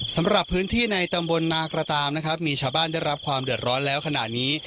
สำหรับพื้นที่ในตำบลนากระตามนะครับมีชาวบ้านได้รับความเดือดร้อนแล้วขณะนี้